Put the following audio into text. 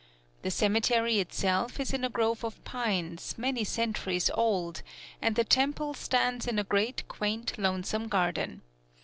The cemetery itself is in a grove of pines, many centuries old; and the temple stands in a great quaint lonesome garden.